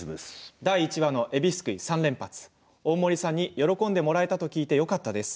第１話の、えびすくい３連発大森さんにも喜んでもらえたと聞いて、よかったです。